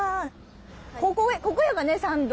ここやわね参道ね。